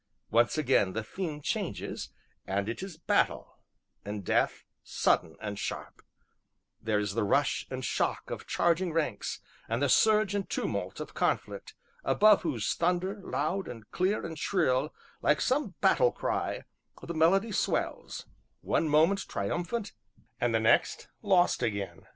Once again the theme changes, and it is battle, and death, sudden, and sharp; there is the rush and shock of charging ranks, and the surge and tumult of conflict, above whose thunder, loud and clear and shrill, like some battle cry, the melody swells, one moment triumphant, and the next lost again.